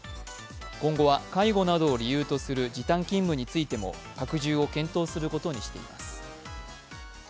今後は介護などを理由とする時短勤務についても拡充を検討することにしています。